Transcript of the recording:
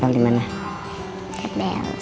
nah ini just lemin dulu